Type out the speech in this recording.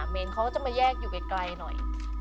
อ๋อเมนเขาจะมาแยกอยู่ไกลหน่อย